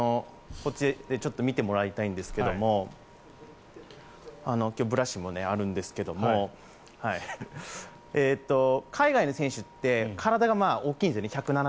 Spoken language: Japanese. ちょっと見てもらいたいんですが今日、ブラシもあるんですけど海外の選手って体が大きいんですよね。